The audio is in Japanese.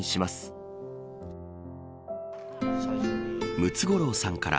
ムツゴロウさんから